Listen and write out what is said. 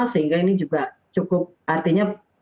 sehingga ini juga cukup artinya persoalan karantina yang cukup lama